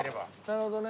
なるほどね。